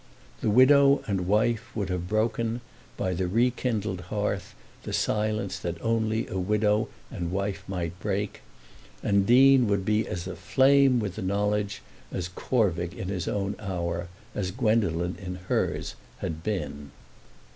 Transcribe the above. The widow and wife would have broken by the rekindled hearth the silence that only a widow and wife might break, and Deane would be as aflame with the knowledge as Corvick in his own hour, as Gwendolen in hers, had been.